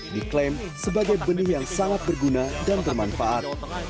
diklaim sebagai benih yang sangat berguna dan bermanfaat